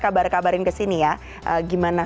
kabar kabarin ke sini ya gimana